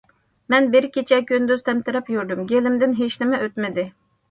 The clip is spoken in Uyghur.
مەن بىر كېچە- كۈندۈز تەمتىرەپ يۈردۈم، گېلىمدىن ھېچنېمە ئۆتمىدى.